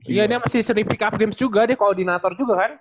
iya ini masih seni pick up games juga dia koordinator juga kan